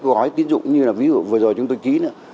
cái gói tiến dụng như là ví dụ vừa rồi chúng tôi ký nữa